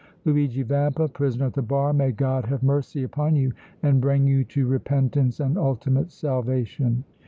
Luigi Vampa, prisoner at the bar, may God have mercy upon you and bring you to repentance and ultimate salvation!"